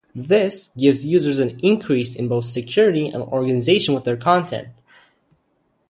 This gives users an increase in both security and organization with their content.